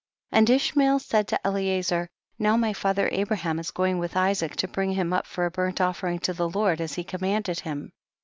22. And Ishmael said to Eliezer, now my father Abraham is going with Isaac to bring him up for a burnt offering to the Lord, as he commanded him.